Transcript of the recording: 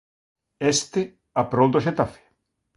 Este a prol do Xetafe.